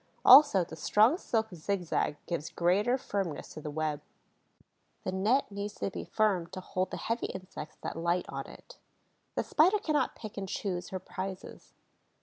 Also, the strong silk zigzag gives greater firmness to the web. The net needs to be firm to hold the heavy insects that light on it. The Spider cannot pick and choose her prizes.